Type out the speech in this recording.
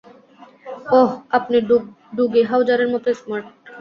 ওহ, আপনি ডুগি হাউজারের মতো স্মার্ট।